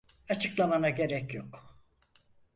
Açıklamana gerek yok.